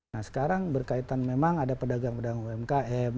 nah sekarang berkaitan memang ada pedagang pedagang umkm